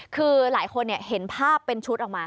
คือหลายคนเห็นภาพเป็นชุดออกมา